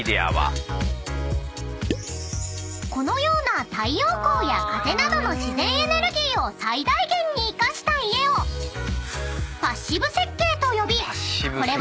［このような太陽光や風などの自然エネルギーを最大限に生かした家をパッシブ設計と呼びこれは